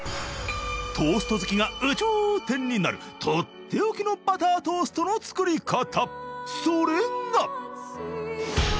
トースト好きが有頂天になるとっておきのバタートーストの作り方